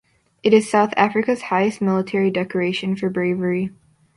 It is South Africa's highest military decoration for bravery.